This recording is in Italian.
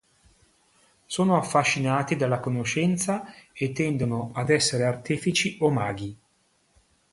Sono affascinati dalla conoscenza, e tendono ad essere artefici o maghi.